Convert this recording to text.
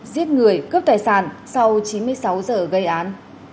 giết người cướp tài sản sau chín mươi sáu giờ gây án